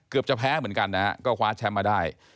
จะแพ้เหมือนกันนะฮะก็คว้าแชมป์มาได้